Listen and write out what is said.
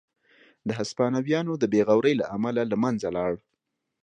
د هسپانویانو د بې غورۍ له امله له منځه لاړ.